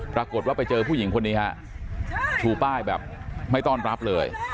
ปรากฏว่าไปเจอผู้หญิงคนนี้ฮะชูป้ายแบบไม่ต้อนรับเลย